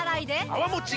泡もち